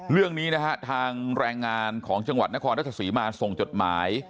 เรื่องนี้นะฮะทางแรงงานของจังหวัดนครราชศรีมาส่งจดหมาย